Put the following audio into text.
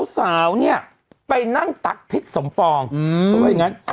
สาวเนี่ยไปนั่งตักทิศสมปองเขาว่าอย่างนั้น